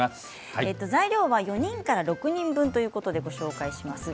材料は４人から６人分でご紹介します。